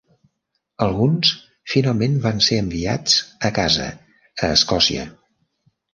Alguns finalment van ser enviats a casa a Escòcia.